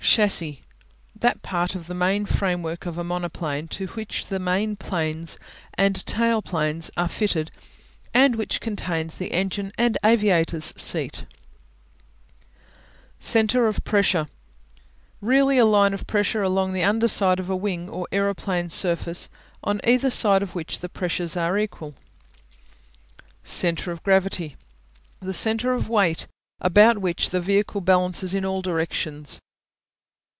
Chassis (shas see) That part of the main framework of a monoplane to which the main planes and tail planes are fitted and which contains the engine and aviators seat. Center of Pressure Really a line of pressure along the under side of a wing or aeroplane surface, on either side of which the pressures are equal. Center of Gravity The center of weight, about which the vehicle balances in all directions.